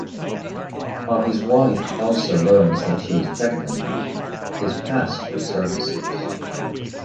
While his wife Elsa learns that she is pregnant, his past resurfaces.